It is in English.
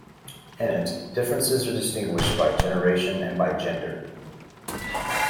In it, differences are distinguished by generation and by gender.